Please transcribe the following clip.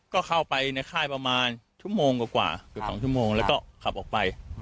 ก็เข้าไปในค่ายประมาณชั่วโมงกว่าเกือบ๒ชั่วโมงแล้วก็ขับออกไป